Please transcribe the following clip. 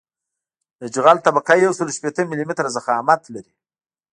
د جغل طبقه یوسل شپیته ملي متره ضخامت لري